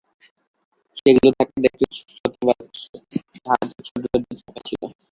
সেগুলি থাকিত একটি ছোট বাক্সে, তাহাতে ছোট ছোট চাকা ছিল।